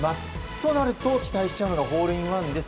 となると期待しちゃうのがホールインワンです。